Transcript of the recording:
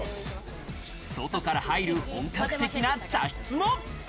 外から入る本格的な茶室も。